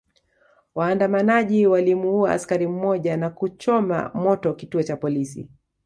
Waandamanaji walimuua askari mmoja na kuchoma moto kituo cha polisi